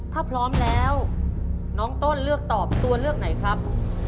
ถ้าพร้อมแล้วน้องต้นเลือกตอบตัวเลือกไหนครับ